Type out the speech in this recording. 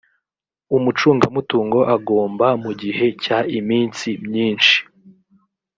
umucungamutungo agomba mu gihe cy iminsi myinshi